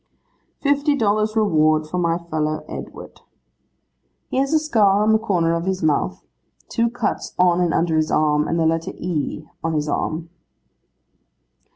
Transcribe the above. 'Fifty dollars reward, for my fellow Edward. He has a scar on the corner of his mouth, two cuts on and under his arm, and the letter E on his arm.